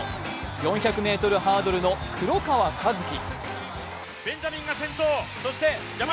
４００ｍハードルの黒川和樹。